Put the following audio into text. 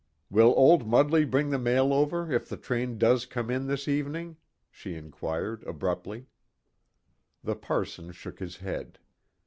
"Will old Mudley bring the mail over if the train does come in this evening?" she inquired abruptly. The parson shook his head.